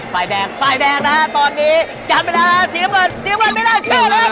แบกนะครับตอนนี้ปล่อยน้ำเงินนะครับ